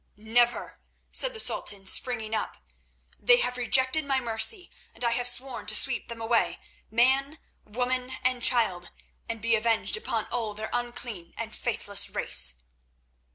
"Never!" said the Sultan, springing up. "They have rejected my mercy, and I have sworn to sweep them away, man, woman, and child, and be avenged upon all their unclean and faithless race."